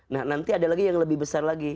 nah nanti ada lagi yang lebih besar lagi